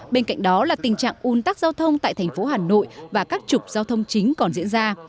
bên cạnh đó là tình trạng un tắc giao thông tại thành phố hà nội và các trục giao thông chính còn diễn ra